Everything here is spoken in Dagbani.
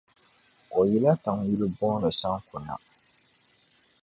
O yila tiŋ yuli booni Sanku na.